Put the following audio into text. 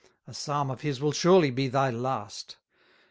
A psalm of his will surely be thy last.